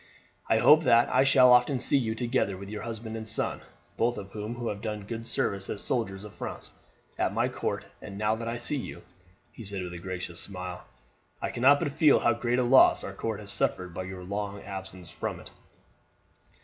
I hope that I shall often see you together with your husband and son, both of whom have done good service as soldiers of France, at my court; and now that I see you," he said with a gracious smile, "I cannot but feel how great a loss our court has suffered by your long absence from it."